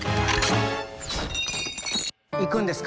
行くんですか？